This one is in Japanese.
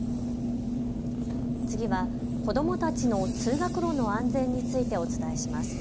次は子どもたちの通学路の安全についてお伝えします。